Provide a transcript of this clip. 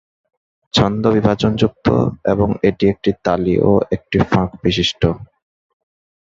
ছন্দো-বিভাজন যুক্ত এবং এটি একটি তালি ও একটি ফাঁক বিশিষ্ট।